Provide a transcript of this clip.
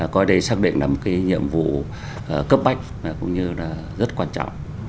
coi đây xác định là một cái nhiệm vụ cấp bách cũng như là rất quan trọng